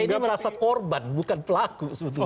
ini merasa korban bukan pelaku sebetulnya